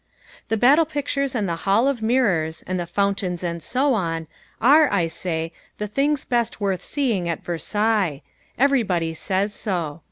The battle pictures and the Hall of Mirrors, and the fountains and so on, are, I say, the things best worth seeing at Versailles. Everybody says so.